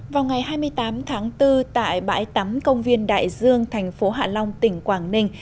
vào ngày hai mươi tám tháng bốn tại bãi tắm công viên đại dương thành phố hạ long tỉnh quảng ninh